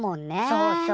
そうそう。